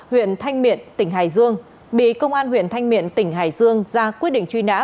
huyện thanh miện tỉnh hải dương bị công an huyện thanh miện tỉnh hải dương ra quyết định truy nã